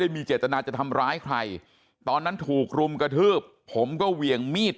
มีเจตนาจะทำร้ายใครตอนนั้นถูกรุมกระทืบผมก็เหวี่ยงมีด